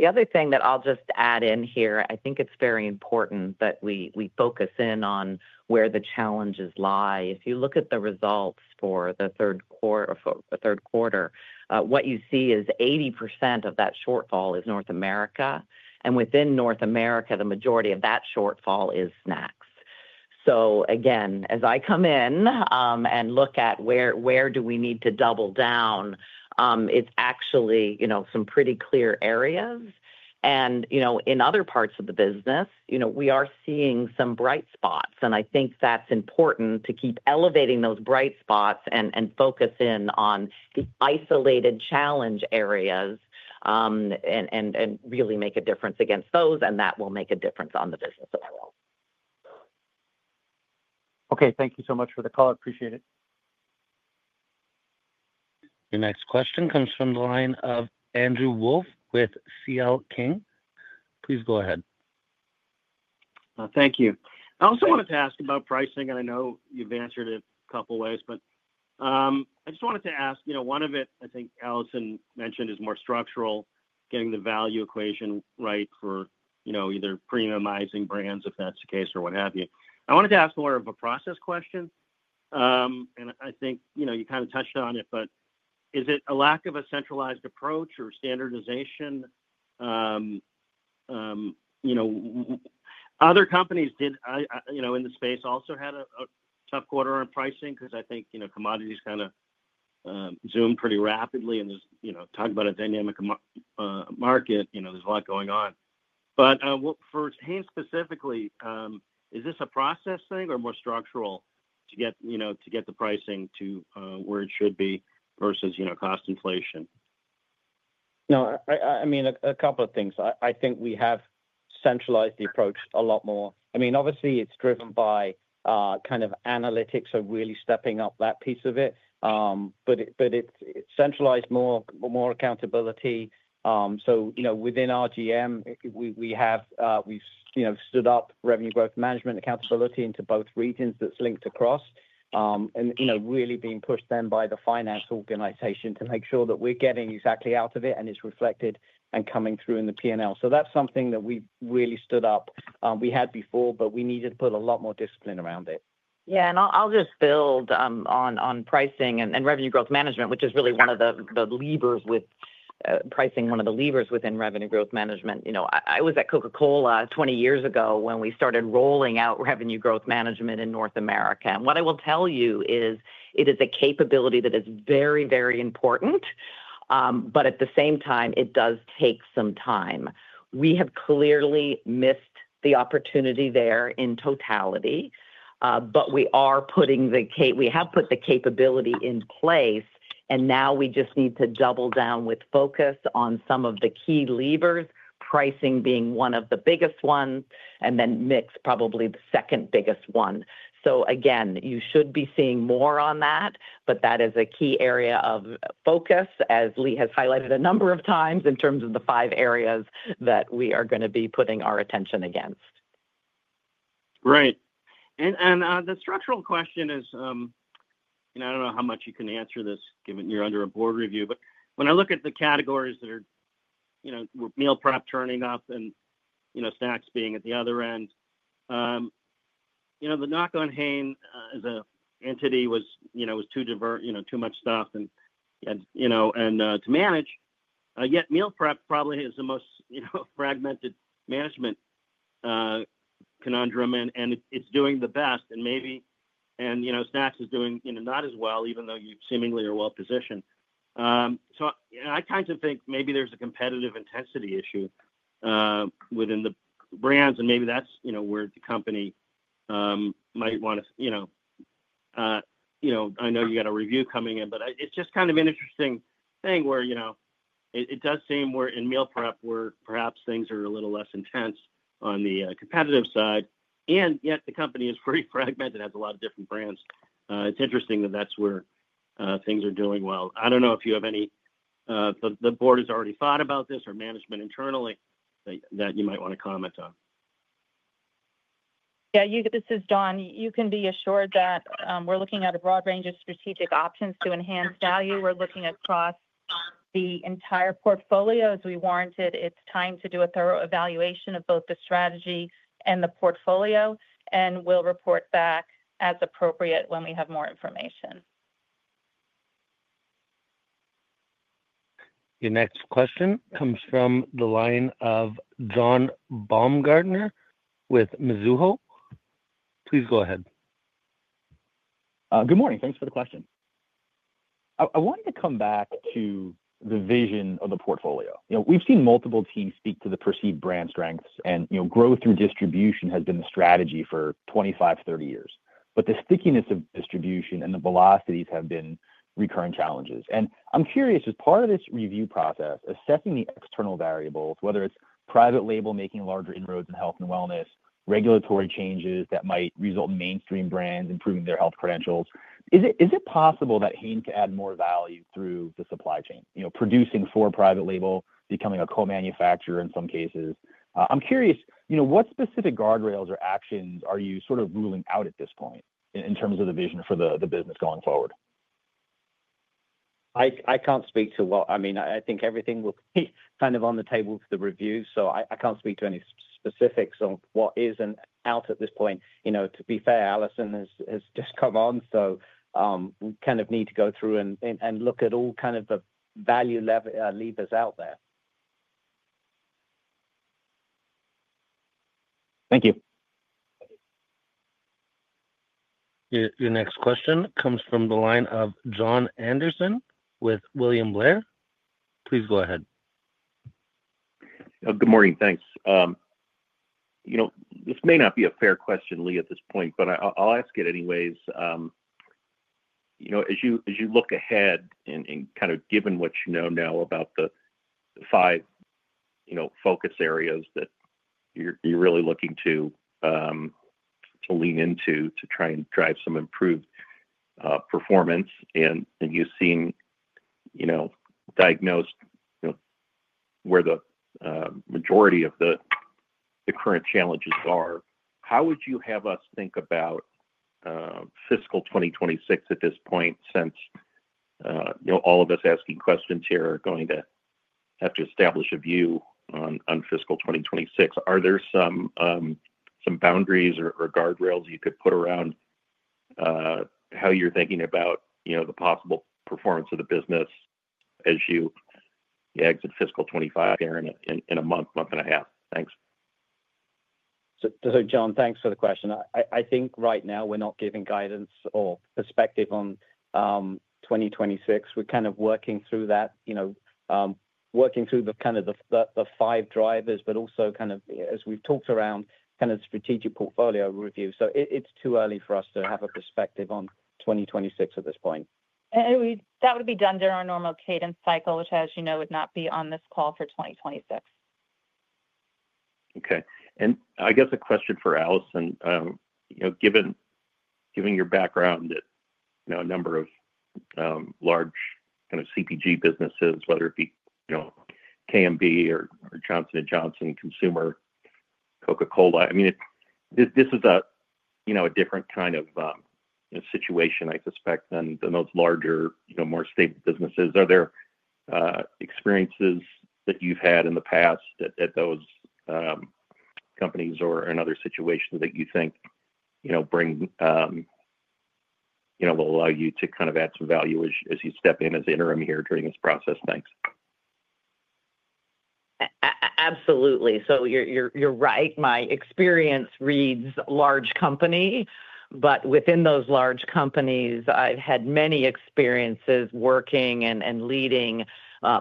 The other thing that I'll just add in here, I think it's very important that we focus in on where the challenges lie. If you look at the results for the third quarter, what you see is 80% of that shortfall is North America. Within North America, the majority of that shortfall is snacks. Again, as I come in and look at where do we need to double down, it's actually some pretty clear areas. In other parts of the business, we are seeing some bright spots. I think that's important to keep elevating those bright spots and focus in on the isolated challenge areas and really make a difference against those. That will make a difference on the business overall. Okay. Thank you so much for the call. Appreciate it. The next question comes from the line of Andrew Wolf with C.L. King. Please go ahead. Thank you. I also wanted to ask about pricing. I know you've answered it a couple of ways, but I just wanted to ask one of it, I think Alison mentioned, is more structural, getting the value equation right for either premiumizing brands, if that's the case, or what have you. I wanted to ask more of a process question. I think you kind of touched on it, but is it a lack of a centralized approach or standardization? Other companies in the space also had a tough quarter on pricing because I think commodities kind of zoomed pretty rapidly. There's talk about a dynamic market. There's a lot going on. For Hain specifically, is this a process thing or more structural to get the pricing to where it should be versus cost inflation? No. I mean, a couple of things. I think we have centralized the approach a lot more. I mean, obviously, it's driven by kind of analytics of really stepping up that piece of it. But it's centralized more accountability. So within RGM, we have stood up revenue growth management accountability into both regions that's linked across and really being pushed then by the finance organization to make sure that we're getting exactly out of it and it's reflected and coming through in the P&L. That's something that we really stood up. We had before, but we needed to put a lot more discipline around it. Yeah. I'll just build on pricing and revenue growth management, which is really one of the levers with pricing, one of the levers within revenue growth management. I was at Coca-Cola 20 years ago when we started rolling out revenue growth management in North America. It is a capability that is very, very important, but at the same time, it does take some time. We have clearly missed the opportunity there in totality. We have put the capability in place, and now we just need to double down with focus on some of the key levers, pricing being one of the biggest ones, and then mix probably the second biggest one. You should be seeing more on that, but that is a key area of focus, as Lee has highlighted a number of times in terms of the five areas that we are going to be putting our attention against. Right. The structural question is, and I do not know how much you can answer this given you are under a board review, but when I look at the categories that are meal prep turning up and snacks being at the other end, the knock on Hain as an entity was too much stuff and to manage. Yet meal prep probably is the most fragmented management conundrum. It is doing the best. Maybe snacks is doing not as well, even though you seemingly are well-positioned. I kind of think maybe there is a competitive intensity issue within the brands. Maybe that is where the company might want to—I know you have a review coming in, but it is just kind of an interesting thing where it does seem in meal prep where perhaps things are a little less intense on the competitive side. Yet the company is pretty fragmented, has a lot of different brands. It's interesting that that's where things are doing well. I don't know if you have any, the board has already thought about this or management internally that you might want to comment on. Yeah. This is Dawn. You can be assured that we're looking at a broad range of strategic options to enhance value. We're looking across the entire portfolio. As we warranted, it's time to do a thorough evaluation of both the strategy and the portfolio. We'll report back as appropriate when we have more information. Your next question comes from the line of John Baumgartner with Mizuho. Please go ahead. Good morning. Thanks for the question. I wanted to come back to the vision of the portfolio. We've seen multiple teams speak to the perceived brand strengths. Growth through distribution has been the strategy for 25, 30 years. The stickiness of distribution and the velocities have been recurring challenges. I'm curious, as part of this review process, assessing the external variables, whether it's private label making larger inroads in health and wellness, regulatory changes that might result in mainstream brands improving their health credentials, is it possible that Hain could add more value through the supply chain, producing for private label, becoming a co-manufacturer in some cases? I'm curious, what specific guardrails or actions are you sort of ruling out at this point in terms of the vision for the business going forward? I can't speak to what I mean. I think everything will be kind of on the table for the review. I can't speak to any specifics on what isn't out at this point. To be fair, Alison has just come on. So we kind of need to go through and look at all kind of the value levers out there. Thank you. Your next question comes from the line of Jon Andersen with William Blair. Please go ahead. Good morning. Thanks. This may not be a fair question, Lee, at this point, but I'll ask it anyways. As you look ahead and kind of given what you know now about the five focus areas that you're really looking to lean into to try and drive some improved performance and you've seen diagnosed where the majority of the current challenges are, how would you have us think about fiscal 2026 at this point since all of us asking questions here are going to have to establish a view on fiscal 2026? Are there some boundaries or guardrails you could put around how you're thinking about the possible performance of the business as you exit fiscal 2025 here in a month, month and a half? Thanks. Jon, thanks for the question. I think right now we're not giving guidance or perspective on 2026. We're kind of working through that, working through the five drivers, but also, as we've talked around, strategic portfolio review. It's too early for us to have a perspective on 2026 at this point. That would be done during our normal cadence cycle, which, as you know, would not be on this call for 2026. Okay. I guess a question for Alison, given your background at a number of large CPG businesses, whether it be Kimberly-Clark or Johnson & Johnson Consumer, Coca-Cola. I mean, this is a different kind of situation, I suspect, than those larger, more stable businesses. Are there experiences that you've had in the past at those companies or in other situations that you think will allow you to kind of add some value as you step in as interim here during this process? Thanks. Absolutely. You're right. My experience reads large company. Within those large companies, I've had many experiences working and leading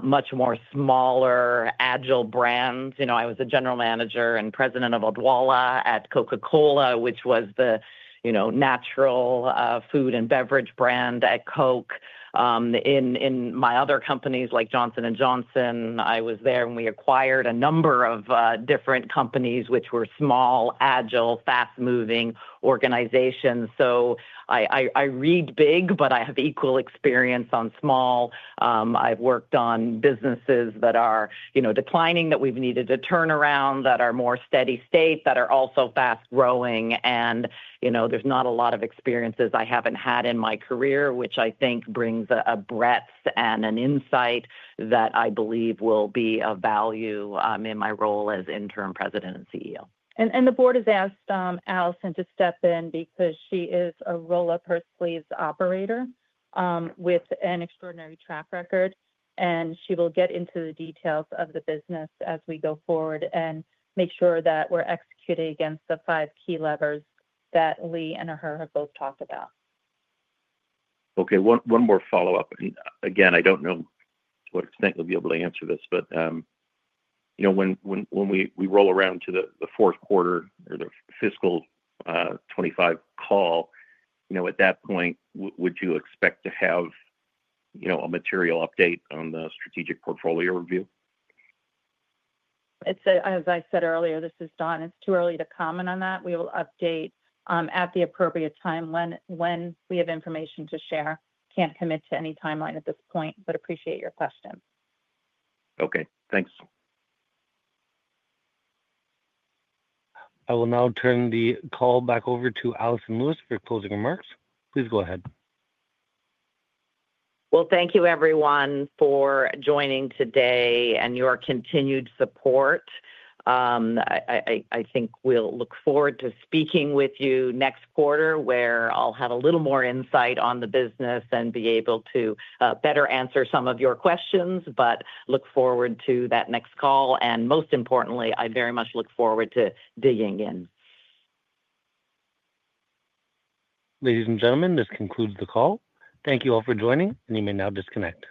much more smaller, agile brands. I was a General Manager and President of Odwalla at Coca-Cola, which was the natural food and beverage brand at Coke. In my other companies like Johnson & Johnson, I was there and we acquired a number of different companies, which were small, agile, fast-moving organizations. I read big, but I have equal experience on small. I've worked on businesses that are declining, that we've needed to turn around, that are more steady state, that are also fast-growing. There are not a lot of experiences I haven't had in my career, which I think brings a breadth and an insight that I believe will be of value in my role as Interim President and CEO. The board has asked Alison to step in because she is a roll-up-her-sleeves operator with an extraordinary track record. She will get into the details of the business as we go forward and make sure that we're executing against the five key levers that Lee and her have both talked about. Okay. One more follow-up. I do not know to what extent you will be able to answer this, but when we roll around to the fourth quarter or the fiscal 2025 call, at that point, would you expect to have a material update on the strategic portfolio review? As I said earlier, this is Dawn. It is too early to comment on that. We will update at the appropriate time when we have information to share. Cannot commit to any timeline at this point, but appreciate your question. Okay. Thanks. I will now turn the call back over to Alison Lewis for closing remarks. Please go ahead. Thank you, everyone, for joining today and your continued support. I think we'll look forward to speaking with you next quarter where I'll have a little more insight on the business and be able to better answer some of your questions, but look forward to that next call. Most importantly, I very much look forward to digging in. Ladies, and gentlemen, this concludes the call. Thank you all for joining. You may now disconnect.